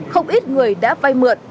không ít người đã vay mượn